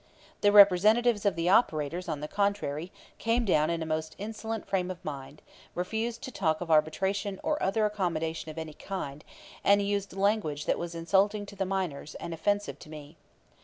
The representatives of the operators, on the contrary, came down in a most insolent frame of mind, refused to talk of arbitration or other accommodation of any kind, and used language that was insulting to the miners and offensive to me.